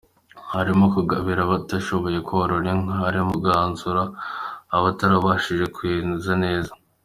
Harimo kugabira abatarashoboye korora inka, hari mo no kuganuza abatarabashije kweza neza.